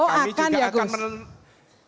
oh akan ya gus